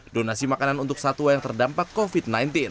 donasi makanan untuk satwa yang terdampak covid sembilan belas